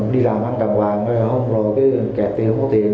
đi làm ăn càng hoàng hôn rồi kẹt thì không có tiền